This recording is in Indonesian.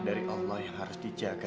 dari allah yang harus dijaga